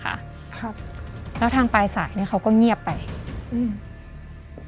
ครับแล้วทางปลายสายเนี้ยเขาก็เงียบไปอืม